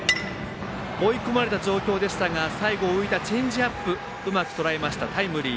追い込まれた状況ですが最後、浮いたチェンジアップうまくとらえました、タイムリー。